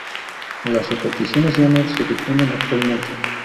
Las repeticiones ya no se difunden actualmente.